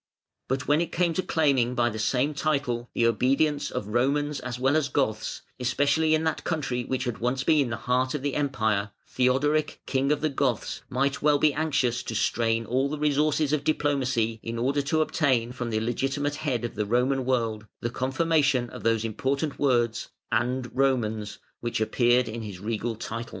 But when it came to claiming by the same title the obedience of Romans as well as Goths, especially in that country which had once been the heart of the Empire, Theodoric, King of the Goths, might well be anxious to strain all the resources of diplomacy in order to obtain from the legitimate head of the Roman world the confirmation of those important words "and Romans", which appeared in his regal title.